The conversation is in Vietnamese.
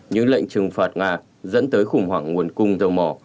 như lệnh trừng phạt nga dẫn tới khủng hoảng nguồn cung dầu mỏ